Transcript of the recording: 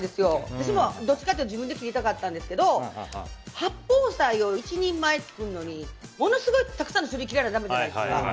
私もどちらかというと自分で切りたかったんですけど八宝菜を１人前作るのにものすごいたくさんの種類切らなきゃだめじゃないですか。